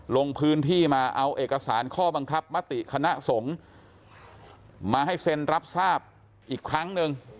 ลงพื้นที่มาเอาเอกสารข้อบังคับมติคณะสงฆ์มาให้เซ็นรับทราบอีกครั้งหนึ่ง